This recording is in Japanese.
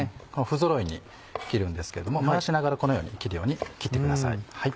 ふぞろいに切るんですけれども回しながらこのように切ってください。